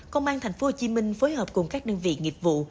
công an tp hcm phối hợp cùng các đơn vị nghiệp vụ